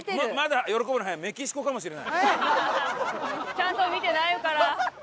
ちゃんと見てないから。